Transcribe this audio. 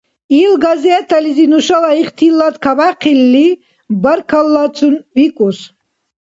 Ил газетализи нушала ихтилат кабяхъялли, баркаллацун викӀус.